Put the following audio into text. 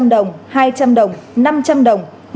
năm trăm linh đồng hai trăm linh đồng năm trăm linh đồng